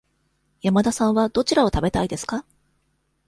山田さんはどちらを食べたいですか。